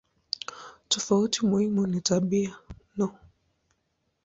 Tofauti muhimu ni tabia no.